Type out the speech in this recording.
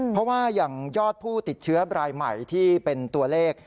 เพราะว่าอย่างยอดผู้ติดเชื้อรายใหม่ที่เป็นตัวเลข